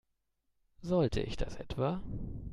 Sollte ich das etwa?